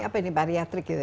ini apa ini bariatrik gitu ya